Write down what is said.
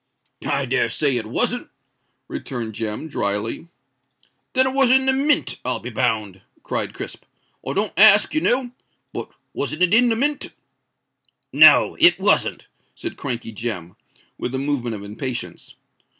"I dare say it wasn't," returned Jem, drily. "Then it was in the Mint, I'll be bound," cried Crisp. "I don't ask, you know—but wasn't it in the Mint?" "No—it wasn't," said Crankey Jem, with a movement of impatience.